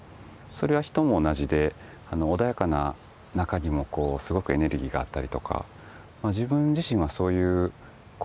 それは人も同じで穏やかな中にもすごくエネルギーがあったりとか自分自身はそういう根底のエネルギー